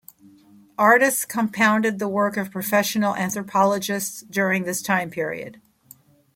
Artists compounded the work of professional anthropologists during this time period.